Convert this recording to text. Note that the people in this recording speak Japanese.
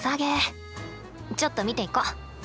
ちょっと見ていこう！